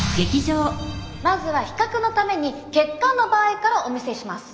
まずは比較のために血管の場合からお見せします。